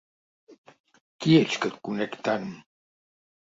Qui ets que et conec tant?